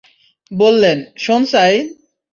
বললেন, শোন সাঈদ!